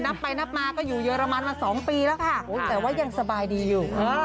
นับไปนับมาก็อยู่เรมันมา๒ปีแล้วค่ะแต่ว่ายังสบายดีอยู่